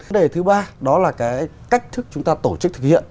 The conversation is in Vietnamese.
vấn đề thứ ba đó là cái cách thức chúng ta tổ chức thực hiện